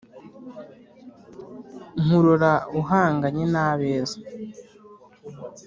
nkurora uhanganye n’abeza